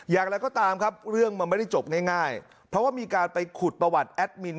อย่างไรก็ตามครับเรื่องมันไม่ได้จบง่ายเพราะว่ามีการไปขุดประวัติแอดมิน